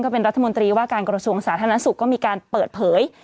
ก็เป็นรัฐมนตรีว่าการกรชวงสาธานาศุกริย์ก็มีการเปิดเผย